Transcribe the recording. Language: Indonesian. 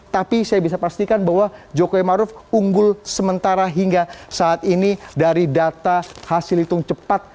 tapi saya bisa pastikan bahwa jokowi maruf unggul sementara hingga saat ini dari data hasil hitung cepat